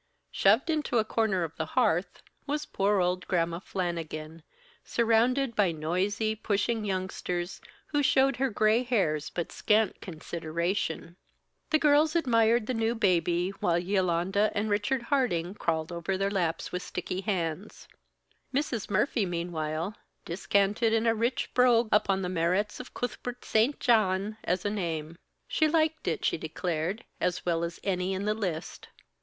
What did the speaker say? Shoved into a corner of the hearth, was poor old Gramma Flannigan, surrounded by noisy, pushing youngsters, who showed her gray hairs but scant consideration. The girls admired the new baby, while Yolanda and Richard Harding crawled over their laps with sticky hands. Mrs. Murphy, meanwhile, discanted in a rich brogue upon the merits of "Coothbert St. Jawn" as a name. She liked it, she declared, as well as any in the list.